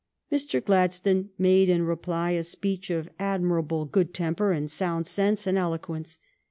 Mr. Gladstone made in reply a speech of admi rable good temper and sound sense and elo quence.